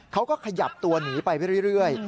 เขาก็ขยับตัวหนีไปเรื่อย